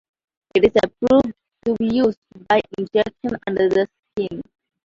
It is approved to be used by injection under the skin.